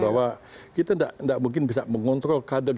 bahwa kita tidak mungkin bisa mengontrol kadang kadang